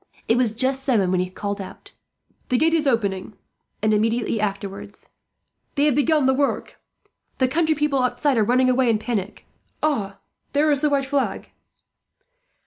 It was just seven when he called out "The gate is opening!" and immediately afterwards, "They have begun the work. The country people outside are running away in a panic. "Ah! there is the white flag."